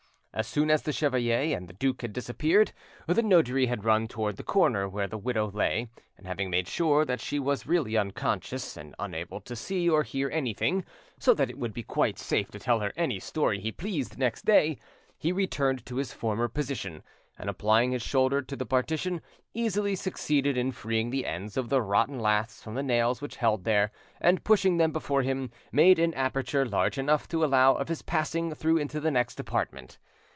As soon as the chevalier and the duke had disappeared, the notary had run towards the corner where the widow lay, and having made sure that she was really unconscious, and unable to see or hear anything, so that it would be quite safe to tell her any story he pleased next day, he returned to his former position, and applying his shoulder to the partition, easily succeeded in freeing the ends of the rotten laths from the nails which held there, and, pushing them before him, made an aperture large enough to allow of his passing through into the next apartment.